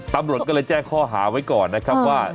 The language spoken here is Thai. ตำรวจก็เลยแจ้งข้อหาไว้ก่อนนะครับว่า